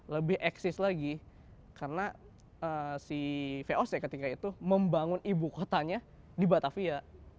lebih eksis lagi karena si voc ketika itu membangun ibu kotanya di batavia